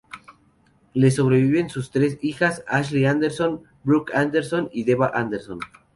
Le sobreviven sus tres hijas: Ashley Anderson, Brooke Anderson y Deva Anderson.